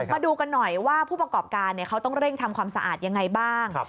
มาดูกันหน่อยว่าผู้ประกอบการเขาต้องเร่งทำความสะอาดยังไงบ้าง